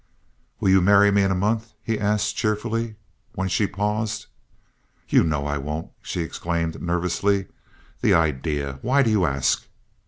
"Will you marry me in a month?" he asked, cheerfully, when she paused. "You know I won't!" she exclaimed, nervously. "The idea! Why do you ask?"